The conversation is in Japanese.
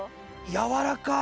やわらかい。